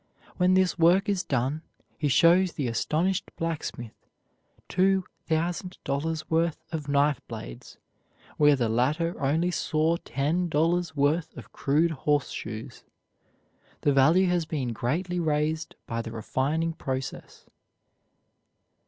When this work is done, he shows the astonished blacksmith two thousand dollars' worth of knife blades where the latter only saw ten dollars' worth of crude horseshoes. The value has been greatly raised by the refining process.